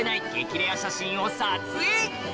レア写真を撮影！